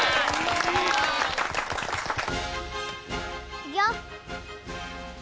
いくよ！